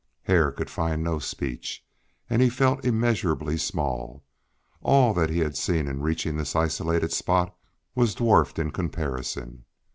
Hare could find no speech, and he felt immeasurably small. All that he had seen in reaching this isolated spot was dwarfed in comparison.